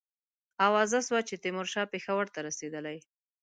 آوازه سوه چې تیمورشاه پېښور ته رسېدلی.